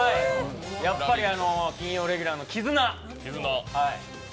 やっぱり金曜レギュラーの絆。